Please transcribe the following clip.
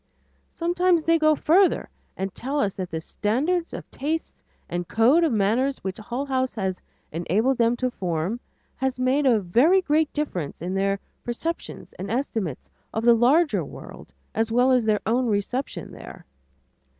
Sometimes they go further and tell us that the standards of tastes and code of manners which Hull House has enabled them to form, have made a very great difference in their perceptions and estimates of the larger world as well as in their own reception there.